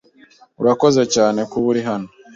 Urakoze cyane kuba uri hano.